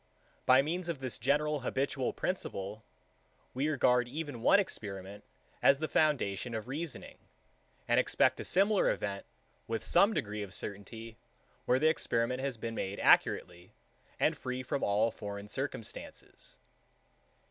By means of this general habitual principle, we regard even one experiment as the foundation of reasoning, and expect a similar event with some degree of certainty, where the experiment has been made accurately, and free from all foreign circumstances.